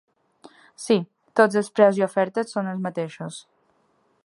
Si, tots els preus i ofertes son els mateixos.